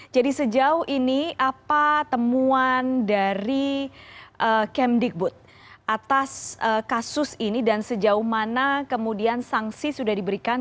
jadi sejauh ini apa temuan dari kemendikbud atas kasus ini dan sejauh mana kemudian sanksi sudah diberikan